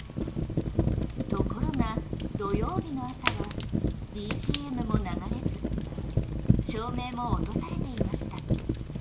ところが、土曜日の朝はＢＧＭも流れず照明も落とされていました。